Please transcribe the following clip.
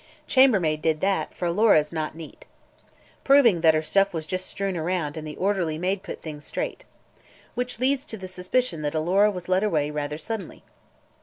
Chambermaid did that, for Alora is not neat. Proving that her stuff was just strewn around and the orderly maid put things straight. Which leads to the supposition that Alora was led away rather suddenly."